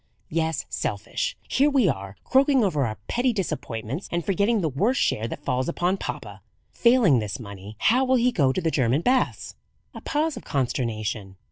"Yes, selfish. Here we are, croaking over our petty disappointments, and forgetting the worst share that falls upon papa. Failing this money, how will he go to the German baths?" A pause of consternation.